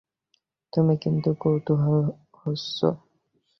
তুমি কিন্তু কৌতূহল হচ্ছো।